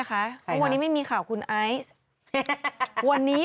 ใครน่ะอย่างนั้นวันนี้ไม่มีข่าวของคุณไอ้